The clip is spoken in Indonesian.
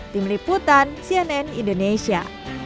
tim liputan cnn indonesia